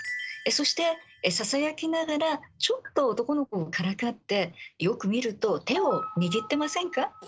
そしてささやきながらちょっと男の子をからかってよく見ると手を握ってませんか？